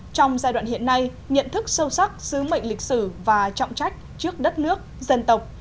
trong giai đoạn hiện nay nhận thức sâu sắc sứ mệnh lịch sử và trọng trách trước đất nước dân tộc